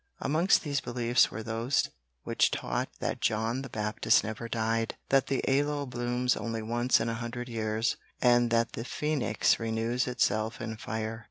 Amongst these beliefs were those which taught that John the Baptist never died; that the aloe blooms only once in a hundred years; and that the phœnix renews itself in fire.